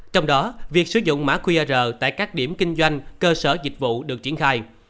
trong đó việc sử dụng mã qr tại các điểm kinh doanh cơ sở dịch vụ được triển khai